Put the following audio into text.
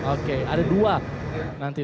oke ada dua nanti